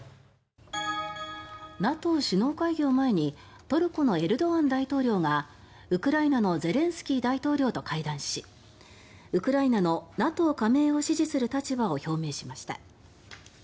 ＮＡＴＯ首脳会議を前にトルコのエルドアン大統領がウクライナのゼレンスキー大統領と会談しウクライナのＮＡＴＯ加盟を支持する立場を表明しました。